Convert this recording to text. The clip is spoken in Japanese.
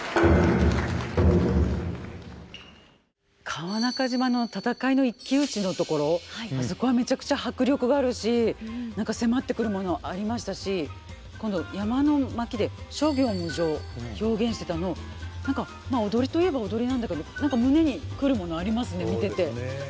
川中島の戦いの一騎打ちのところあそこはめちゃくちゃ迫力があるし何か迫ってくるものありましたし今度「山の巻」で「諸行無常」表現してたの何かまあ踊りといえば踊りなんだけど何か胸に来るものありますね見てて。